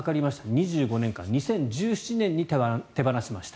２５年間２０１７年に手放しました